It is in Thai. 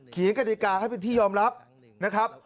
กฎิกาให้เป็นที่ยอมรับนะครับ